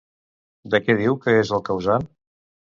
De què diu que és el causant?